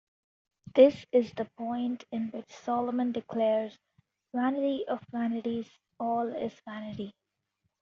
This is the point in which Solomon declares, Vanity of vanities, all is vanity!